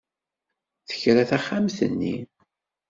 Tekra taxxamt-nni.